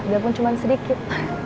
biarpun cuman sedikit